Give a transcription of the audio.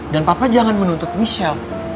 dan papa jangan menuntut michelle